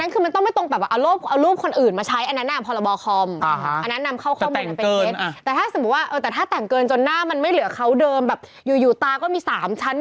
ก็ไม่รู้ทุกคนก็แต่งเหมือนกัน